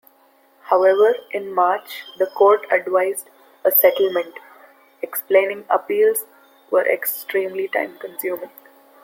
However, in March the court advised a settlement, explaining appeals were extremely time consuming.